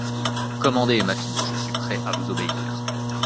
Commandez, ma fille, je suis prêt à vous obéir.